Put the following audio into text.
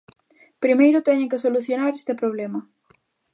Primeiro teñen que solucionar este problema.